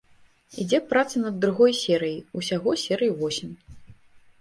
Ідзе праца над другой серыяй, усяго серый восем.